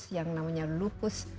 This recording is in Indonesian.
yang namanya lupus